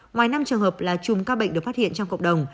ngoài năm trường hợp là chùm ca bệnh được phát hiện trong cộng đồng